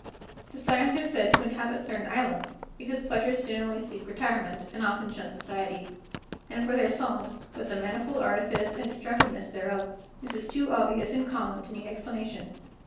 The Sirens are said to inhabit certain islands, because pleasures generally seek retirement, and often shun society. And for their songs, with the manifold artifice and destructiveness thereof, this is too obvious and common to need explanation.